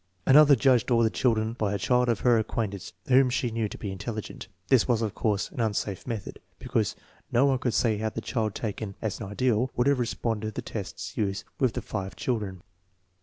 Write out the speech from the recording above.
Another judged all the children by a child of her acquaintance whom she knew to be intelligent. This was, of course, an unsafe method, because no one could say how the child taken as an ideal would have responded to the tests used with the five children.